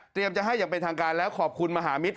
เป็นทางการแล้วขอบคุณมหามิตร